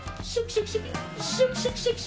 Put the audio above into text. ショキショキ。